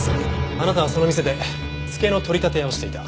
あなたはその店でツケの取り立て屋をしていた。